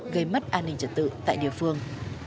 gây mất an ninh trật tự tại địa phương